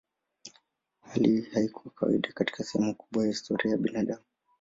Hali hii haikuwa kawaida katika sehemu kubwa ya historia ya binadamu.